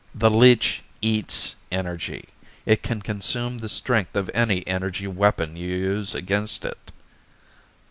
The leech eats energy. It can consume the strength of any energy weapon you use against it."